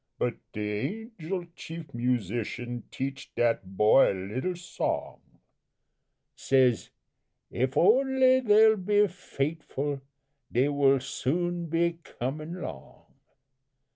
But de Angel Chief Musician teach dat boy a little song Says 'If only dey be fait'ful dey will soon be comin' 'long.'